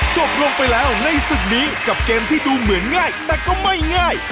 จบลงไปแล้วในศึกนี้กับเกมที่ดูเหมือนง่ายแต่ก็ไม่ง่าย